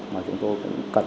mà chúng tôi cũng cần